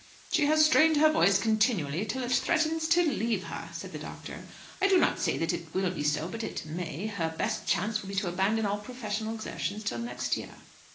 "She has strained her voice continually till it threatens to leave her," said the doctor; "I do not say that it will be so, but it may. Her best chance will be to abandon all professional exertions till next year."